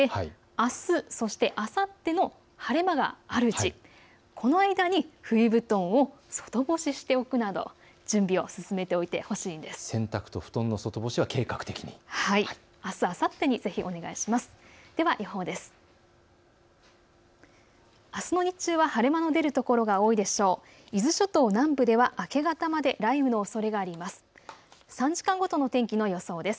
あす、あさってにぜひお願いします。